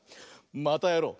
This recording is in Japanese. またやろう！